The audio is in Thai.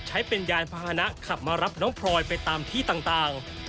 ใช้เป็นยานพาหนะขับมารับน้องพลอยไปตามที่ต่าง